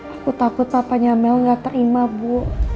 aku takut papanya mel gak terima bu